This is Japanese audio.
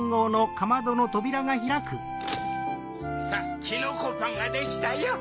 さぁきのこパンができたよ。